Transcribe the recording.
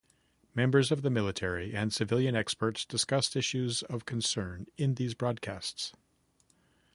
Members of the military and civilian experts discussed issues of concern in these broadcasts.